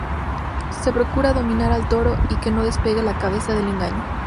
Se procura dominar al toro y que no despegue la cabeza del engaño.